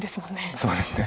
そうですね。